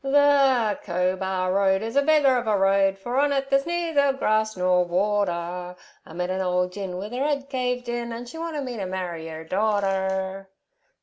'The Cobar Road is a beggar of a road. For on it there's neither grass nor water; I met an ole gin with her 'ead caved in. And she wanted me to marry 'er daughter.'